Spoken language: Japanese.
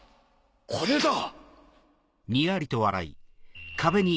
これだ！